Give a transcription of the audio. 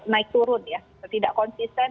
naik turun ya tidak konsisten